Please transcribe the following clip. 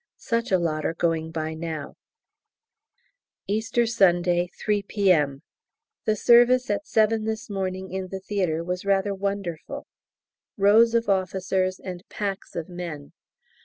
Such a lot are going by now. Easter Sunday, 3 P.M. The service at 7 this morning in the theatre was rather wonderful. Rows of officers and packs of men.